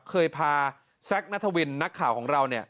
เคยพาแซคณทวินนักข่าวของเรา